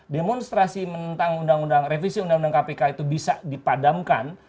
demonstrasi tentang undang undang revisi undang undang kpk itu bisa dipadamkan